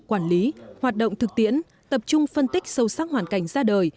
quản lý hoạt động thực tiễn tập trung phân tích sâu sắc hoàn cảnh ra đời